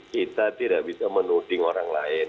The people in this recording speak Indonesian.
kita tidak bisa menuding orang lain